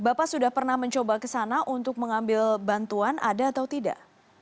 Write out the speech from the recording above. bapak sudah pernah mencoba ke sana untuk mengambil bantuan ada atau tidak